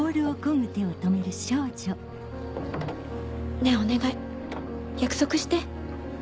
ねぇお願い約束して。